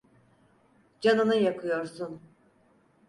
Canını yakıyorsun!